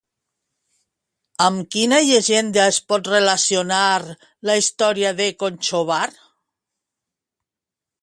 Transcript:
Amb quina llegenda es pot relacionar la història de Conchobar?